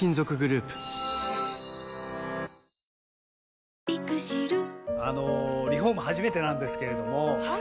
しかし、あのリフォーム初めてなんですけれどもはい。